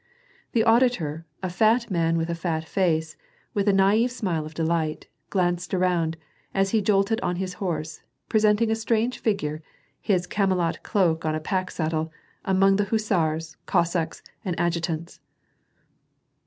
The auditor, a fat man with a fat face, with a naive smile of delight, glanced around, as he jolted on his horse, presenting a strange figure, in his camelot cloak on a pack saddle, among the hussars. Cossacks, and adjutants.